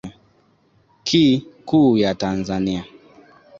ki kuu ya tanzania